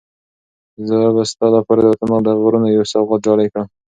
زه به ستا لپاره د وطن د غرونو یو سوغات ډالۍ کړم.